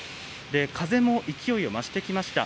風も勢いを増してきました。